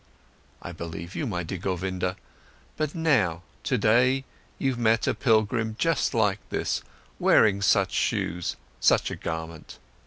"I believe you, my dear Govinda. But now, today, you've met a pilgrim just like this, wearing such shoes, such a garment.